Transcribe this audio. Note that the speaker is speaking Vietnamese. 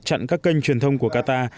chặn các kênh truyền thông của qatar